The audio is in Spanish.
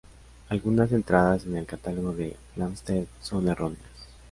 Algunas entradas en el catálogo de Flamsteed son erróneas.